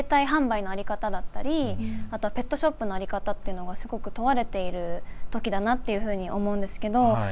今、正対販売の在り方だったりあとはペットショップの在り方っていうのが、すごく問われているときだなって思うんですけど